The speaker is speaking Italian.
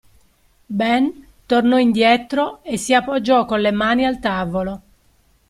Ben tornò indietro e si appoggiò con le mani al tavolo.